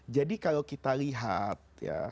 jadi kalau kita lihat